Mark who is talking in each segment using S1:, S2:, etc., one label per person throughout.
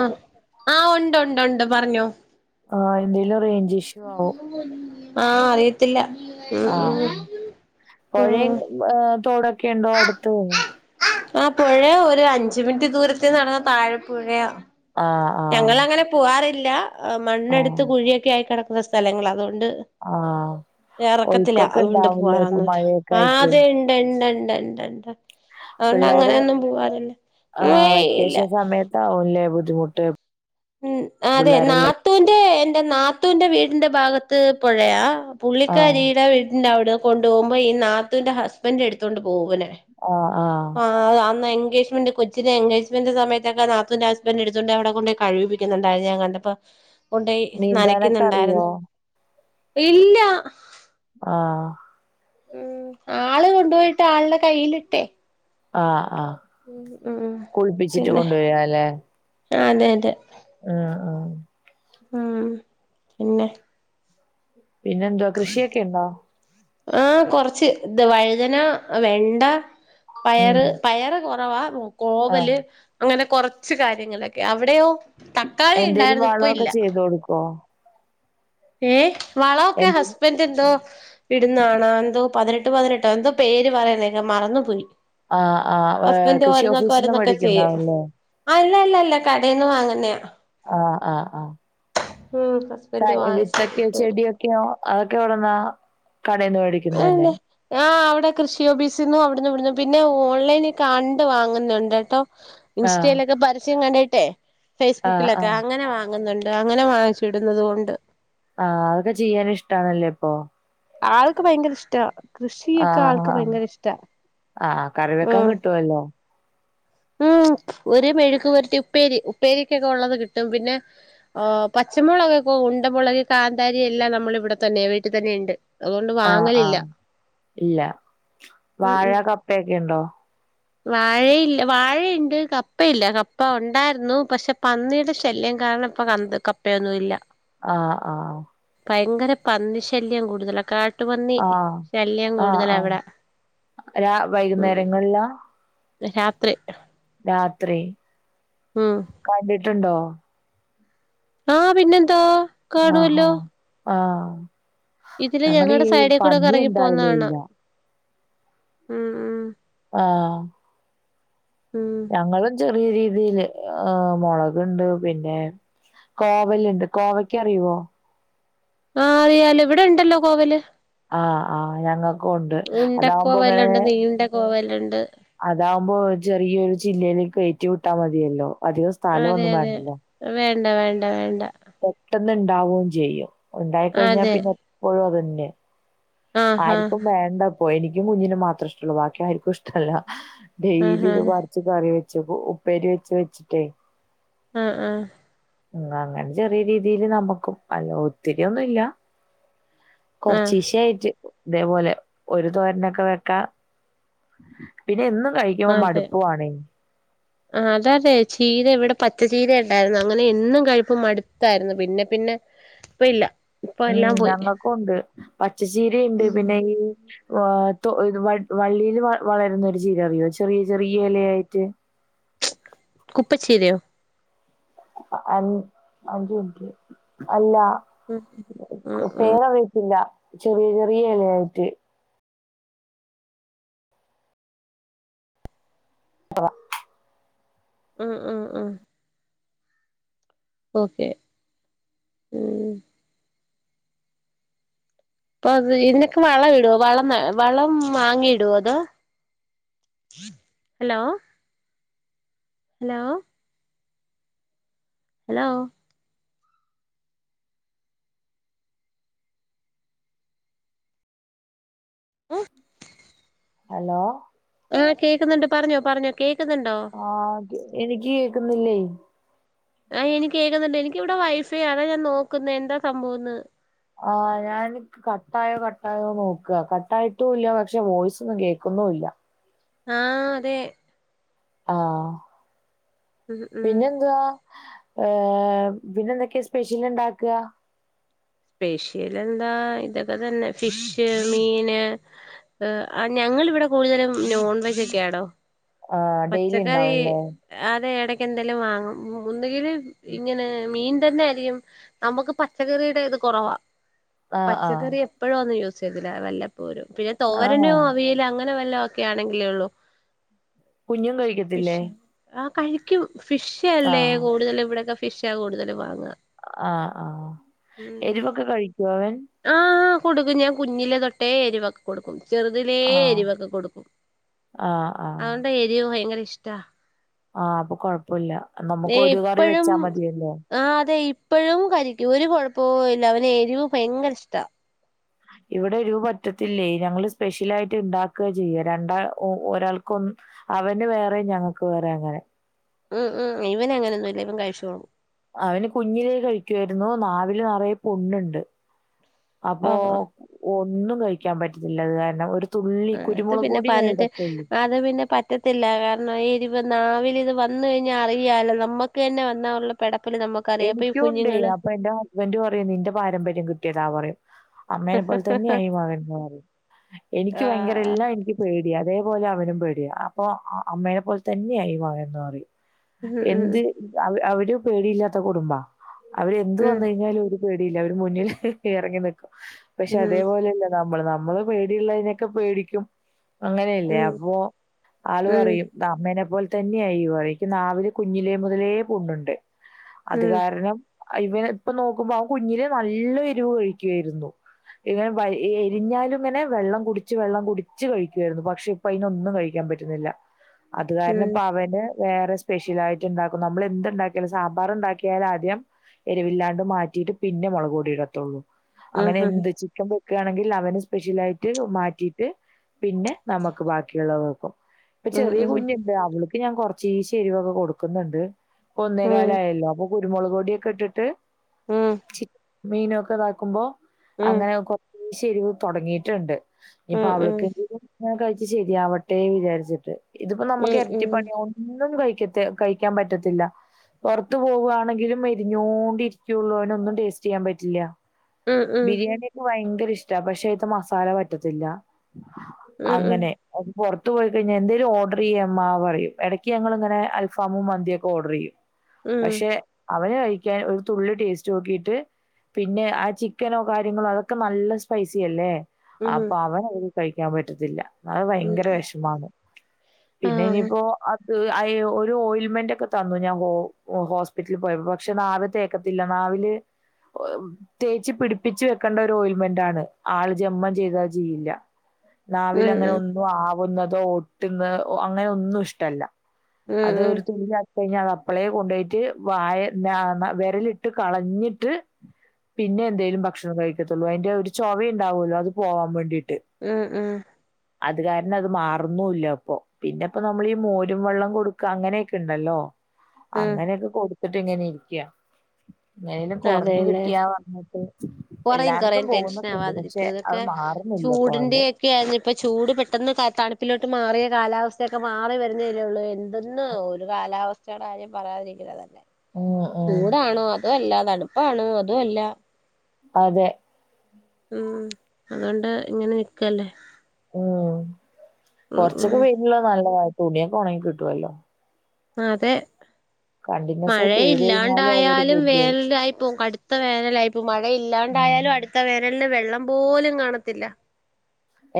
S1: ആഹ് ആഹ് ഉണ്ട് ഉണ്ട് ഉണ്ട് പറഞ്ഞോ.
S2: ആഹ് എന്തേലും റേഞ്ച് ഇഷ്
S1: ആഹ് അറിയത്തില്ല ഉം ഉം.
S2: പൊഴേ
S1: ഉം
S2: തോടൊക്കെ എന്തൊ അടുത്ത് പൊ
S1: ആഹ് പുഴേ ഒരു അഞ്ച് മിൻറ്റ് ദൂരത്തേ നടന്ന താഴെ പുഴയാ.
S2: ആഹ് ആഹ്
S1: ഞങ്ങൾ അങ്ങനെ പുവ്വാറില്ല മണ്ണെടുത്ത്
S2: ആഹ്
S1: കുഴിയൊക്കെ ആയി കേടക്കുന്ന സ്ഥലങ്ങളാ അതുകൊണ്ട്
S2: ആഹ്
S1: എറക്കത്തിലാ
S2: ഒഴുക്കൊക്കെ
S1: അതുകൊണ്ട്
S2: ഉണ്ടാവൂലേ ഇപ്പൊ
S1: പോകാറൊന്നുല്ല
S2: മഴയൊക്കെ ആയിട്ട്
S1: ആതോൻ എണ്ട് എണ്ട് എണ്ട്ണ്ട് അതൊണ്ട്
S2: പിള്ളേര്
S1: അങ്ങനെന്നും പോവാറില്ലേ ഉ ഏയ് ഇല്ല.
S2: താ ഒല്ലേ ബുദ്ധിമുട്ട്.
S1: ഉം അതെ
S2: പിള്ളേരെല്ലാം
S1: നാത്തൂന്റെ എന്റെ നാത്തൂന്റെ വീടിന്റെ ഭാഗത്ത് പൊഴയാ.
S2: ആഹ്
S1: പുള്ളിക്കാരീടെ വീട്ന്റെ അവടേ കൊണ്ടു പോവുംമ്പോ ഈ നാത്തൂന്റെ ഹസ്ബൻ്റ് എടുത്തോണ്ട് പോവുങ്ങനെ.
S2: ആഹ് ആഹ്.
S1: ആഹ് അന്ന് എൻഗേജ്മെന്റ് കൊച്ചിന്റെ എൻഗേജ്മെന്റ് സമയത്തൊക്കെ നാത്തൂന്റെ ഹസ്ബന്റ് എടുത്തോണ്ട് അവടെ കൊണ്ടോയി കഴ് ക്കുന്നുണ്ടായിരുന്നു ഞാൻ കണ്ടപ്പോ കൊണ്ടോയി
S2: നീന്താനൊക്കെ അറിയോ
S1: ന്നനക്കുന്നുണ്ടായിരുന്നു. ഇല്ലാ.
S2: ആഹ്.
S1: ഉം ആള് കൊണ്ടുപോയിട്ട് ആൾടെ കയ്യിലിട്ടേ.
S2: ആഹ് ആഹ്
S1: ഉം
S2: കുൾപ്പിച്ചിട്ട് കൊണ്ട് വരാല്ലെ.
S1: ആഹ് അതെ അതെ.
S2: ആഹ് ആഹ്.
S1: ഉം പിന്നെ?
S2: പിന്നെ എന്താ കൃഷിയൊക്കെ ണ്ടോ?
S1: ആഹ് കൊർച്ച് ത് വഴ്തന വേണ്ടാ
S2: ഉം
S1: പയറ് പയറ് കൊറവാ
S2: ആഹ്
S1: കോവല് അങ്ങനെ കൊറച്ച് കാര്യങ്ങളൊക്കെ അവിടെയോ? തക്കാളി
S2: എന്തേലും
S1: ഇണ്ടായിരുന്നു ഇപ്പ
S2: വളമൊക്കെ
S1: ഇല്ല
S2: ചെയ്ത് കൊടുക്കോ
S1: ഏ വളൊക്കെ
S2: എന്തേലും
S1: ഹസ്ബൻഡ് എന്തോ ഇടുന്നാണ എന്തോ പതിനെട്ട് പതിനെട്ടോ എന്തോ പേര് പറയനേക്കാ മറന്നുപോയി
S2: ആഹ് ആഹ് കൃഷി ഓഫീസിന്നും മേടിക്കുന്നാവു
S1: ചെയ്യും
S2: അല്ലേ
S1: അല്ല അല്ല ല്ല കടേന്ന് വാങ്ങുന്നയാ
S2: ആഹ് ആഹ് ആഹ്
S1: ഉം ഹസ്ബൻഡ് വാങ്ങിച്ച്
S2: വിത്തൊക്കെയോ
S1: ഇട്ട് കൊടുക്കും
S2: ചെടിയൊക്കെയോ അതൊക്കെ എവിടന്നാ കടയിൽന്ന് മേടിക്കുന്നത് തന്നെ
S1: അല്ലെ ആഹ് അവിടെ കൃഷി ഓഫീസിന്നും അവിടന്ന് ഇവിടുന്നു പിന്നെ ഓൺലൈൻ കണ്ട് വാങ്ങുന്നുണ്ട് കേട്ടോ
S2: ആഹ്
S1: ഇൻസ്റ്റയിലൊക്കെ പരസ്യം കണ്ടിട്ടെ
S2: ആഹ്
S1: ഫേസ്ബുക്കിലൊക്കെ
S2: ആഹ്.
S1: അങ്ങനെ വാങ്ങുന്നുണ്ട് അങ്ങനെ വാങ്ങിച്ചിടുന്നത് കൊണ്ട്
S2: ആഹ് അതൊക്കെ ചെയ്യാനും ഇഷ്ടാണല്ലേ ഇപ്പൊ
S1: ആൾക്ക് ഭയങ്കര ഇഷ്ട കൃഷിയൊക്കെ
S2: ആഹ്
S1: ആൾക്ക്
S2: ആഹ്.
S1: ഭയങ്കര ഇഷ്ടാ
S2: ആഹ് കറി
S1: ഉം
S2: [unintelligible]
S1: ഉം ഒരു മെഴുക്ക് പെരട്ടി ഉപ്പേരി ഉപ്പേരിക്ക് ഒക്കെ ഉള്ളത് കിട്ടും പിന്നെ പച്ചമുളകൊക്കെ ഉണ്ടമുളക് കാന്താരി എല്ലാം നമ്മൾ ഇവിടെ തന്നെ വീട്ടിൽ തന്നെ ഉണ്ട് അതുകൊണ്ട്
S2: ആഹ്
S1: വാങ്ങലില്ല
S2: ആഹ് ഇല്ല
S1: ഉം
S2: വാഴ
S1: ഉം
S2: കപ്പയൊക്കെ ഉണ്ടോ
S1: വാഴയില്ല വാഴയുണ്ട് കപ്പയില്ല കപ്പ ഉണ്ടായിരുന്നു പക്ഷെ പന്നിയുടെ ശല്യം കാരണം അപ്പൊ കന്ത് കപ്പയൊന്നും ഇല്ല
S2: ആഹ് ആഹ്
S1: ഭയങ്കര പന്നി ശല്യം കൂടുതല കാ കാട്ടുപന്നി
S2: ആഹ്
S1: ശല്യം
S2: ആഹ്
S1: കൂടുതല
S2: ആഹ്.
S1: ഇവിടെ
S2: രാ
S1: ഉം
S2: വൈകുന്നേരങ്ങളിലാ?
S1: രാത്രി
S2: രാത്രി
S1: ആഹ്
S2: കണ്ടിട്ടുണ്ടോ
S1: ആഹ് പിന്നെന്താ
S2: ആഹ ആഹ്
S1: ഇതില്
S2: ഞങ്ങടെ ഈ
S1: ഞങ്ങളുടെ സൈഡേ കൂടെക്കെ
S2: പന്നി
S1: ഇറങ്ങി പോവുന്നത്
S2: എന്തായാലും
S1: കാണ
S2: ഇല്ല.
S1: ഉം ഉം
S2: ആഹ്
S1: ഉം
S2: ഞങ്ങളും ചെറിയ രീതിൽ മുളകുണ്ട് പിന്നെ കോവലുണ്ട് കോവയ്ക്ക അറിയുവോ
S1: ആഹ് അറിയാലോ ഇവിടെ ഉണ്ടല്ലോ കോവല്
S2: ആഹ് ആഹ് ഞങ്ങ
S1: ഉണ്ടക്കോവലുണ്ട് നീണ്ട കോവലുണ്ട്
S2: അതാവുമ്പോ ചെറിയൊരു ചില്ലയിലേക്ക് കയറ്റി വിട്ടാൽ മതിയല്ലോ അധികം
S1: അതെ
S2: സ്ഥലൊന്നും
S1: അതെ വേണ്ട വേണ്ട വേണ്ട
S2: പെട്ടെന്ന് ഇണ്ടാവയും ചെയ്യും ഉണ്ടായി കഴിഞ്ഞാ
S1: അതെ
S2: പിന്നെ എപ്പോഴും അതന്നെ
S1: ആഹ്
S2: ആരിക്കും വേണ്ടപ്പോ എനിക്കും കുഞ്ഞിന് മാത്രം ഇഷ്ടള്ളു ബാക്കി ആരിക്കും ഇഷ്ടമല്ല ഡെയിലി
S1: ആഹ്
S2: ഇത്
S1: ആഹ്
S2: പറിച്ച് കറി വെച്ച് ഉപ്പേരി വെച്ച് വെച്ചിട്ടേ
S1: ആഹ് ആഹ്
S2: ഉം അങ്ങനെ ചെറിയ രീതിൽ നമ്മുക്കും അല്ല ഒത്തിരി ഒന്നുല്ല
S1: ആഹ്
S2: കൊറചീശെ ആയിട്ട് ഇതേപോലെ ഒരു തോരനൊക്കെ വെക്കാ പിന്നെ എന്നും കഴി മടുപ്പവാണെ
S1: ആഹ അതതെ ചീര ഇവിടെ പച്ച ചീര ഉണ്ടായിരുന്നു അങ്ങനെ എന്നും കഴുപ്പും മടുത്തായിരുന്നു പിന്നെ പിന്നെ ഇപ്പൊല്ല
S2: ഉം ഞങ്ങൾക്കുണ്ട് പച്ചച്ചീര ഉണ്ട് പിന്നെ ഈ അഹ തൊ വള്ള വള്ളിയിൽ വളരുന്നൊരു ചീര അറിയോ ചെറിയ ചെറിയ ഇലയായിട്ട്
S1: കുപ്പച്ചീരിയോ
S2: അൽ [unintelligible] അല്ല
S1: ഓക്കെ
S2: പേര വട്ടില്ല ചെറിയ ചെറിയ ഇലയായിട്ട് അഹ
S1: ഉം ഉം ഉം ഓക്കെ ഉം അപ്പൊ ഇനക്ക് വളം ഇടുവോ വളം വളം വാങ്ങി ഇടുവൊ അതോ ഹലോ ഹലോ ഹലോ ഏഹ്
S2: ഹലോ
S1: ആഹ കേക്കുന്നുണ്ട് പറഞ്ഞോ പറഞ്ഞോ കേൾക്കന്നുണ്ടോ?
S2: ആഹ എനിക്ക് കേക്കുന്നില്ലേ
S1: ആഹ എനിക്ക് കേകുന്നുണ്ട് എനിക്കിവിടെ വൈഫൈ ആണ് ഞാൻ നോക്കുന്നത് എന്താ സംഭവംന്ന്
S2: ആഹ് ഞാൻ കട്ടായോ കട്ടായോ നോക്കകട്ടായിട്ടുല്ല പക്ഷെ വോയ്സ്ന്നും കേക്കുന്നൂല്ല
S1: ആഹ് അതെ
S2: ആഹ്
S1: ഉം ഉം
S2: പിന്നെന്തുവാ ഏഹ പിന്നെ എന്തൊക്കെയാ സ്പെഷ്യൽ ഉണ്ടാക്ക
S1: സ്പെഷ്യൽ എന്താ ഇതൊക്കെ തന്നെ ഫിഷ് മീന് ആഹ ഞങ്ങൾവിടെ കൂടുതലും നോൺ വെജ് ഒക്കെയാണോ
S2: ആഹ ഡെയിലി ഉണ്ടാവുല്ലേ
S1: അതെ എടക്ക് എന്തെലും വാങ്ങും ഒന്തെങ്കില് ഇങ്ങനെ മീൻ തന്നെ ആയിരിക്കും നമുക്ക് പച്ചക്കറിയുടെ ഇത് കുറവാ
S2: ആഹ് ആഹ്
S1: പച്ചക്കറി എപ്പോഴും ഒന്നും യൂസ് ചെയ്തില്ല വല്ല പോരും പിന്നെ
S2: ആഹാ
S1: തോരന് അവിയൽ അങ്ങനെ വല്ല ഒക്കെ ആണെങ്കിലേ ഒള്ളൂ
S2: കുഞ്ഞും കഴിക്കത്തില്ലേ?
S1: ഫിഷ് ആഹ കഴിക്കും ഫിഷ് അല്ലേ
S2: ആഹ്
S1: കൂടുതല് ഇവിടെക്കെ ഫിഷാ കൂതലും വാങ്ങ
S2: അഹ അഹ എരിവൊക്കെ കഴിക്കും അവൻ
S1: ആഹ് കൊടുക്കും ഞാൻ കുഞ്ഞിലെ തൊട്ടേ എരിവൊക്കെ കൊടുക്കും ചെറുതിലേ
S2: ആഹ്
S1: എരിവൊക്കെ കൊടുക്കും
S2: ആഹ് ആഹ്
S1: അതുകൊണ്ട് എരിവ് ഭയങ്കര ഇഷ്ടാ
S2: ആഹ് അപ്പൊ കൊഴപ്പൊല്ല
S1: ദേ
S2: നമുക്ക് ഒരു കറി
S1: ഇപ്പഴും
S2: വെച്ചാ മതിയല്ലോ
S1: ആഹ് അതെ ഇപ്പഴും കരിക്കും ഒരു കുഴപ്പവുല്ല അവന് എരിവ് ഭയങ്കര ഇഷ്ട
S2: ഇവിടെ എരു പറ്റത്തില്ലേ ഞങ്ങള് സ്പെഷ്യൽ ആയിട്ട് ഇണ്ടാക്കുക ചെയ്യുക രണ്ടാ ഒരാൾക്കൊന്നും അവന് വേറെ ഞങ്ങക്ക് വേറെ അങ്ങനെ
S1: ഉം ഉം ഇവനെങ്ങനൊന്നും ഇല്ല ഇവൻ കഴിച്ചോളും
S2: അവന് കുഞ്ഞിലേ കഴിക്കുായിരുന്നു നാവില് നിറയെ പൊണ്ണണ്ട് അപ്പോ
S1: ആഹ് ആഹ്
S2: ഒന്നും കഴിക്കാൻ പറ്റത്തില്ല അത് കാരണം ഒരു തുള്ളി
S1: ആഹ് അത്
S2: കുരുമുളക്
S1: പിന്നെ
S2: പൊടി ഞാൻ
S1: പറഞ്ഞിട്ട്
S2: ഇടത്തുള്ളു
S1: അത് പിന്നെ പറ്റത്തില്ല കാരണം എരിവ് നാവില് ഇത് വന്ന് കഴിഞ്ഞാൽ അറിയാല്ലോ നമ്മക്ക് നമ്മുക്ക് തന്നെ വന്നാലുള്ള പെടപ്പെല് നമ്മക്ക്
S2: എനിക്കും ഉണ്ടേ അപ്പൊ എന്റെ ഹസ്ബന്റ് പറയും നിന്റെ പാരമ്പര്യം കിട്ടിയതാ പറയും അമ്മേനെ പോലെ തന്നെയാ ഈ മകൻ എന്ന് പറയും എനിക്ക് ഭയങ്കര
S1: ആഹ്
S2: എല്ലാം എനിക്ക് പേടിയാ അതേപോലെ അവനും പേടിയ അപ്പൊ അമ്മേനെപോലെ തന്നെയാ ഈ മകനെന്ന് പറയും എന്ത്
S1: ഉം
S2: അവര് പേടിയില്ലാത്ത കുടുംബാ അവര് എന്ത്
S1: ഉം
S2: വന്ന് കഴിഞ്ഞാലും അവര് പേടിയില്ല അവര് മുന്നിൽ ഇറങ്ങി നിൽക്കും പക്ഷെ
S1: ഉം
S2: അതേപോലെ അല്ല നമ്മള് നമ്മള് പേടിയുള്ളതിനൊക്കെ പേടിക്കും അങ്ങനെയല്ലേ
S1: ഉം
S2: അപ്പോ ആള്
S1: ഉം
S2: പറയും അമ്മേനെ പോലെ തന്നെയാ [unintelligible] നാവില് കുഞ്ഞിലേ മുതലേ പുണ്ണുണ്ട്
S1: ഉം
S2: അത്
S1: ഉം
S2: കാരണം ഇവന് ഇപ്പൊ നോക്കുമ്പോ അവൻ കുഞ്ഞിലെ നല്ല എരിവ് കഴിക്കുവായിരുന്നു ഇങ്ങനെ എരിഞ്ഞാലും ഇങ്ങനെ വെള്ളം കുടിച്ച് വെള്ളം കുടിച്ച് കഴിക്കുവായിരുന്നു പക്ഷെ ഇപ്പം അതിനൊന്നും കഴിക്കാൻ പറ്റുന്നില്ല അത് കാരണം ഇപ്പ അവന് വേറെ സ്പെഷ്യൽ ആയിട്ട് ഉണ്ടാക്കും നമ്മള് എന്തു ഉണ്ടാക്കിയാലും സാമ്പാറ് ഉണ്ടാക്കി യാൽ ആദ്യം എരിവില്ലാണ്ട് മാറ്റിയിട്ട് പിന്നെ മുളക് പൊടിയിടത്തുള്ളൂ
S1: ഉം
S2: അങ്ങനെ
S1: ഉം
S2: എന്ത് [unintelligible] വെക്കയാണെങ്കിൽ അവന് സ്പെഷ്യലായിട്ട് മാറ്റിയിട്ട് പിന്നെ നമ്മുക്ക് ബാക്കിയുള്ളത് വെക്കും ഇപ്പൊ
S1: ഉം
S2: ചെറിയ
S1: ഉം ഉം
S2: കുഞ്ഞുണ്ട് അവൾക്ക് ഞാൻ കുറച്ചീച്ച് എരിവൊക്കെ കൊടുക്കുന്നുണ്ട് ഇപ്പ ഒന്നേ കാലായല്ലോ അപ്പൊ കുരുമുളക് പൊടിയൊക്കെ ഇട്ടിട്ട്
S1: ഉം
S2: ചീ മീനൊക്കെ ഇതാക്കുമ്പോ അങ്ങനെ [unintelligible] എരിവ് തുടങ്ങിയിട്ടുണ്ട് ഇനിപ്പൊ
S1: ഉം ഉം ഉം
S2: അവൾക്ക്
S1: ഉം
S2: എങ്കിലും ഇങ്ങനെകഴിച്ച് ശരിയാവട്ടേന്ന് വിചാരിച്ചിട്ട് ഇതിപ്പോ നമ്മുക്ക്
S1: ഉം
S2: എരട്ടിപ്പണിയാവും ഒന്നും കഴിക്കത്തെ കഴിക്കാൻ പറ്റത്തില്ല പുറത്ത് പോവാ [unintelligible] എരിഞ്ഞോണ്ടിരിക്കൊള്ളു അവനൊന്നും ടേസ്റ്റ് ചെയ്യാൻ പറ്റില്ല
S1: ഉം ഉം ഉം ഉം
S2: ബിരിയാണി ഭയങ്കര ഇഷ്ട പക്ഷെ ഇവൾക്ക് മസാല പറ്റത്തില്ല അങ്ങനെ പുറത്ത് പോയി കഴിഞ്ഞാൽ എന്തേലും ഓർഡർ ചെയ്യ് അമ്മ പറയും ഇടയ്ക്ക് ഞങ്ങൾ ഇങ്ങനെ അൽഫാമും മന്തിയൊക്കെ ഓർഡർ ചെയ്യും
S1: ഉം
S2: പക്ഷെ അവന് കഴിക്കാൻ ഒരു തുള്ളി ടേസ്റ്റ് നോക്കീട്ട് പിന്നെ ആ ചിക്കനോ കാര്യങ്ങളോ അതൊക്കെ നല്ല സ്പൈസി അല്ലേ
S1: ഉം ഉം
S2: അപ്പൊ അവന് അത് കഴിക്കാൻ പറ്റത്തില്ല അത്
S1: ഉം
S2: ഭയങ്കര [unintelligible] പിന്നെ
S1: ആഹ്
S2: ഇനിയിപ്പോ അത് അയ് ഒരു ഓയിൽമെന്റ് ഒക്കെ തന്നു ഞാൻ ഹോ ഹോസ് പിറ്റിൽ പോയപ്പൊ പക്ഷെ നാവിൽ തേക്കത്തില്ല നാവില് തേച്ച് പിടിപ്പിച്ച് വെക്കേണ്ട ഒരു ഓയിൽമെന്റ് ആണ് ആള് ജന്മം ചെയ്ത ചെയ്യില്ല
S1: ഉം
S2: നാവിലങ്ങനെ ഒന്നും ആവുന്നതോ ഒട്ടുന്ന അങ്ങനെ ഒന്നും ഇഷ്ടല്ല
S1: ഉം ഉം
S2: അത് ഒരു തുള്ളി ആയി കഴിഞ്ഞ അത് അപ്പളേ കൊണ്ട് പോയിട്ട് വായ ആഹ് വിരലിട്ട് കളഞ്ഞിട്ട് പിന്നെ എന്തേലും ഭക്ഷണം കഴിക്കത്തുള്ളൂ അതിന്റെ ഒരു ചൊവയുണ്ടാവോലോ അത് പോവാൻ വേണ്ടിയിട്ട്
S1: ഉം ഉം
S2: അത് കാരണം അത് മാറുന്നു ഇല്ല ഇപ്പൊ പിന്നെ ഇപ്പോ നമ്മളീ മോരും വെള്ളം കൊടുക്ക അങ്ങനെയൊക്കെ ഇണ്ടല്ലോ
S1: ഉം
S2: അങ്ങനെയൊക്കെ കൊടുത്തിട്ട് ഇങ്ങനെ ഇരിക്ക എങ്ങനേലും കുറഞ്ഞ് കിട്ടിയാന്ന് പറഞ്ഞിട്ട്
S1: കുറയും
S2: എല്ലായിടത്തും
S1: കുറയും ടെൻഷൻ
S2: പോകുന്നൊക്കെണ്ട്
S1: ആവാതിരിക്കു
S2: പക്ഷെ അത്
S1: ഇതൊക്കെ
S2: മാറുന്നില്ല
S1: ചൂടിന്റെ
S2: പോവല്
S1: ഒക്കെയായിരുന്നു ഇപ്പ ചൂട് പെട്ടെന്ന് തണുപ്പിലോട്ട് മാറിയ കാലാവസ്ഥയൊക്കെ മാറി വരുന്നല്ലേള്ളൂ ഒന്ന് [unintelligible] ഒരു കാലാവസ്ഥയുടെ കാര്യം പറയാതിരിക്കുന്നത നല്ലേ
S2: ഉം ഉം
S1: ചൂടാണോ അതും അല്ല തണു പ്പാണോ അതു അല്ല
S2: അതെ
S1: ഉം അതോണ്ട് ഇങ്ങനെ നിക്കല്ലേ.
S2: ഉം
S1: ഉം ഉം
S2: കൊറച്ചൊക്കെ വെയിലുള്ളത് നല്ലതാ തുണിയൊക്കെ ഒണങ്ങി കിട്ടുവല്ലോ.
S1: ആതെ
S2: കണ്ടിന്യു
S1: മഴ ഇല്ലാണ്ടായാലും വേനലായിപ്പോം കടുത്ത വേനലായിപ്പോ മഴ
S2: ഉം
S1: ഇല്ലാണ്ടായാലും അടു ത്ത വേനലിൽ വെള്ളം പോലും കാണത്തില്ല.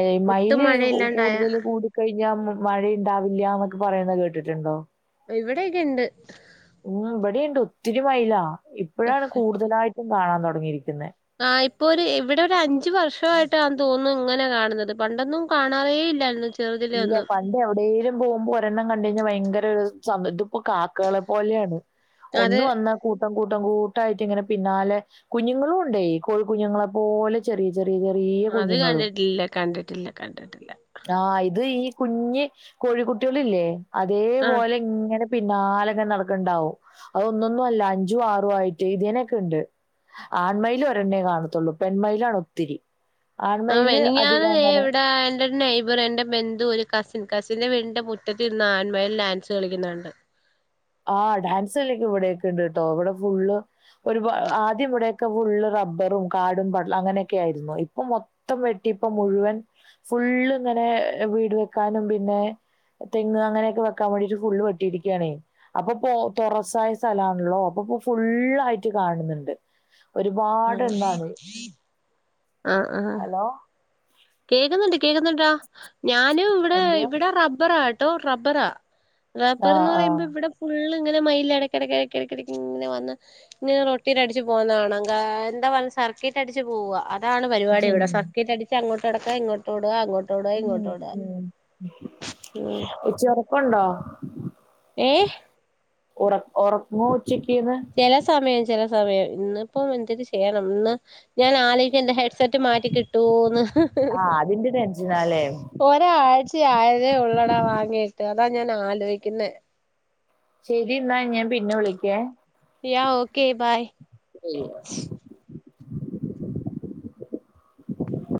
S2: ഏഹ്
S1: ഒട്ടും
S2: മയില്
S1: മഴയില്ലാണ്ടായ
S2: കൂടുതൽ കൂടി കഴിഞ്ഞ മമഴയുണ്ടാവില്ല്യാന്നൊക്കെ പറയുന്നത് കേട്ടിട്ടുണ്ടോ?
S1: ഇവിടെയൊക്കെ ഇണ്ട്.
S2: ഉം ഇബടീണ്ട് ഒത്തിരി മയിലാ. ഇപ്പഴാണ് കൂടുതലായിട്ടും കാണാൻ തൊടങ്ങിയിരിക്കുന്നേ.
S1: ആഹ് ഇപ്പോ ഒര് ഇവിടെ ഒരു അഞ്ച് വർഷായിട്ടാ തോന്നുന്നു ഇങ്ങനെ കാണുന്നത് പണ്ടൊന്നും കാണാറേ ഇല്ലായിന്നുന്ന്
S2: ഇല്ല പ ണ്ടെവിടേലും പോകുമ്പോ ഒരെണ്ണം കണ്ട് കയിഞ്ഞ ഭയങ്കര ഒരു സം ഇതിപ്പോ കാക്കേളെ പോലെയാണ്.
S1: അത്
S2: ഒന്ന് വന്നാ കൂട്ടം കൂട്ടം കൂട്ടായിട്ട് ഇങ്ങനെ പിന്നാലെ കുഞ്ഞുങ്ങളൂണ്ടേ കോഴി കുഞ്ഞുങ്ങളെ പോലെ ചെറിയ ചെറിയ ചെറിയ
S1: അത്
S2: കുഞ്ഞുങ്ങളും
S1: കണ്ടിട്ടില്ല കണ്ടിട്ടില്ല കണ്ടിട്ടില്ല.
S2: ആഹ് ഇത് ഈ കുഞ്ഞി കോഴിക്കുട്ട്യേളില്ലേ
S1: ആ
S2: അതേപോലെ ഇങ്ങനെ പിന്നാലങ്ങെനെ നടക്ക്ണ്ടാവും. അതൊന്നൊന്നുല്ല അഞ്ചും ആറു ആയിട്ട്. ഇതിനൊക്കെണ്ട്. ആൺമയില് ഒരെണ്ണെ കാണത്തൊള്ളു പെൺമയിലാണ് ഒത്തിരി.
S1: ആഹ്
S2: ആൺമയില്
S1: മെനിഞ്ഞാന്ന്
S2: അധികം
S1: ദേ
S2: അങ്ങനെ
S1: ഇവിടെ എന്റെ ഒരു നെയ്ബർ എന്റെ ബന്ധു ഒരു കസിൻ കസിന്റെ വീടിന്റെ മുറ്റത്തിരുന്ന് ആൺമയിൽ ഡാൻസ് കളിക്കുന്ന കണ്ട്.
S2: ആഹ് ഡാൻസ് കളി ഒക്കെ ഇവിടെയൊക്കെ ഇണ്ട്ട്ടോ. ഇവിടെ ഫുള്ള് ഒരു പാ ആദ്യം ഇവിടെയൊക്കെ ഫുള്ള് റബ്ബറും കാടും പടല് അങ്ങനെയൊക്കെ ആയിരുന്നു. ഇപ്പം മൊ ത്തം വെട്ടി പ്പം മുഴുവൻ ഫുള്ള് ങ്ങനെ വീട് വെക്കാനും പിന്നെ തെങ്ങ് അങ്ങനൊക്കെ വെക്കാൻ വേണ്ടീട്ട് ഫുള്ള് വെട്ടിയിരിക്കാണേ. അപ്പൊ പോ തൊറസായ സ്ഥലാണല്ലോ അപ്പൊപ്പോ ഫുള്ളായിട്ട് കാണുന്നുണ്ട്. ഒരുപാട് എണ്ണാണ്,
S1: ആ ആ
S2: ഹലോ
S1: കേക്കുന്നുണ്ട് കേക്കുന്നുണ്ടാ ഞാനും ഇവിടെ
S2: എന്തുവാ
S1: ഇവിടെ റബ്ബറാ ട്ടോ റബ്ബറാ റബ്ബർന്ന്
S2: ആഹ് ആഹ്
S1: പറയുമ്പം ഇവിടെ ഫുള്ള്ങ്ങന മയില് എടക്കെടക്ക് എടക്കെടക്കിങ്ങനെ വന്ന് ഇങ്ങനെ റൊട്ടീറ്റ് അടിച്ച് പോകുന്ന കാണാം. കാ എന്താ വൺ സർക്കീട്ട് അടിച്ച് പോവാ. അ താണ് പരിപാടി
S2: ഉം
S1: ഇവടെ. സർക്കീറ്റടിച്ച് അങ്ങോട്ട് നടക്ക ഇങ്ങോട്ടോടാ അങ്ങോ
S2: ഉം ഉം
S1: ഉം
S2: ഉച്ചയൊറക്കം ഉണ്ടോ?
S1: ഏഹ്
S2: ഉറ ഒറങ്ങോ ഉച്ചക്ക്ന്ന്.
S1: ചെല സമയം ചെല സമയം ഇന്നിപ്പം എന്തര് ചെയ്യണം ഇന്ന് ഞാൻ ആലോയിക്കാ എന്റെ ഹെഡ്സെറ്റ് മാറ്റി കിട്ടുവോന്ന്.
S2: ആഹ് അതിന്റെ ടെൻഷനാല്ലെ.
S1: ഒരാരാഴ്ച ആയതേ ഉള്ളടാ വാങ്ങിയിട്ട് അതാ ഞാൻ ആലോയ്ക്കുന്നെ.
S2: ശരി ന്നാ ഞാൻ പിന്നെ വിളിക്കെ.
S1: Yeah okay bye.